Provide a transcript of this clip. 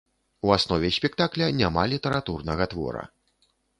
У аснове спектакля няма літаратурнага твора.